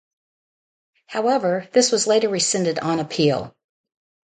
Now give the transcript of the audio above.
However, this was later rescinded on appeal.